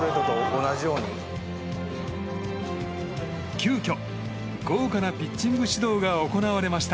急きょ、豪華なピッチング指導が行われました。